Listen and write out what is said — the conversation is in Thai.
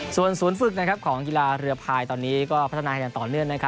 ส่วนฝึกของกีฬาเรือพายตอนนี้ก็พัฒนาให้กันต่อเนื่อง